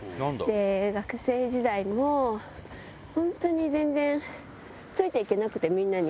学生時代も本当に全然ついていけなくて、みんなに。